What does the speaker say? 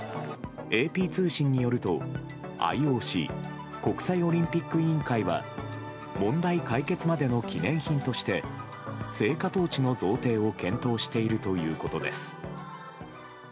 ＡＰ通信によるとＩＯＣ・国際オリンピック委員会は問題解決までの記念品として聖火トーチの贈呈を検討しているということです。